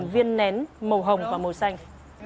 hai viên nén màu hồng và màu xanh